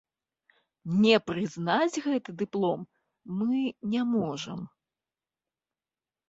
Не прызнаць гэты дыплом мы не можам.